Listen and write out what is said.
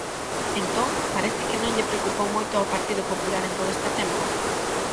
Entón, parece que non lle preocupou moito ao Partido Popular en todo este tempo.